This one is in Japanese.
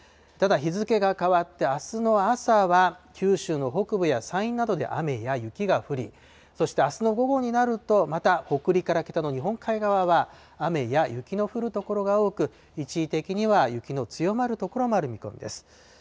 ただ、日付が変わってあすの朝は、九州の北部や山陰などで雨や雪が降り、そして、あすの午後になると、また、北陸から北の日本海側は雨や雪の降る所が多く、一時的には雪の強まる所もある見込みです。